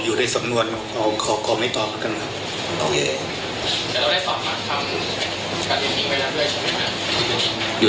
อยู่ในตำนวนหมดแล้วโอเคยง่ายอย่างงี้พระครอบครัวก็สอบไปในตำนวนละนะครับ